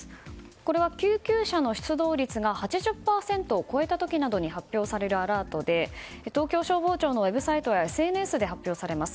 これは、救急車の出動率が８０％を超えた時などに発表されるアラートで東京消防庁のウェブサイトやＳＮＳで発表されます。